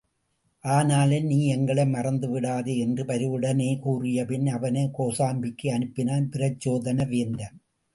ஆனாலும் நீ எங்களை மறந்துவிடாதே என்று பரிவுடனே கூறியபின் அவனைக் கோசாம்பிக்கு அனுப்பினான் பிரச்சோதன வேந்தன்.